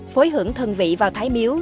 phối hưởng thân vị vào thái miếu